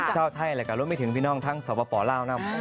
เจ้าไทยและกับร่วมมิถึงพี่น้องทั้งสวปปล้าวน้ำ